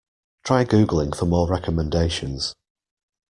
Try googling for more recommendations.